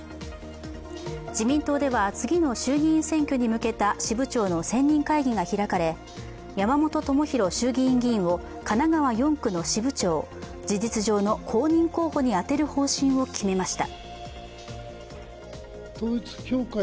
自民党では、次の衆議院選挙に向けた支部長の選任会議が開かれ、山本朋広衆議院議員を神奈川４区の支部長事実上の公認候補に充てる方針を決めました。